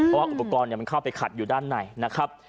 เพราะว่าอุปกรณ์มันเข้าไปขัดอยู่ด้านในนะครับ